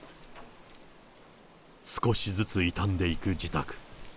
少しずつ傷んでいく自宅。